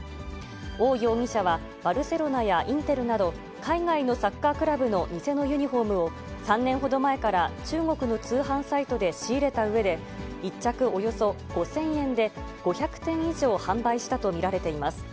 王容疑者は、バルセロナやインテルなど、海外のサッカークラブの偽のユニホームを、３年ほど前から中国の通販サイトで仕入れたうえで、１着およそ５０００円で、５００点以上販売したと見られています。